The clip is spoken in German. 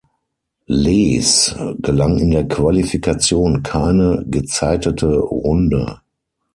Lees gelang in der Qualifikation keine gezeitete Runde.